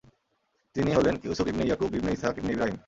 তিনি হলেন Yusuf ibn Yaqub ibn Ishaq ibn Ibrahim.